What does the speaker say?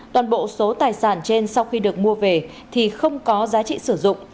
toàn bộ số tài sản trên sau khi được mua về thì không có giá trị sử dụng